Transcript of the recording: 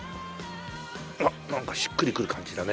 あっなんかしっくりくる感じだね。